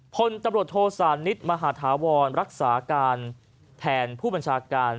พลตำรวจโทสานิทมหาธาวรรักษาการแทนผู้บัญชาการ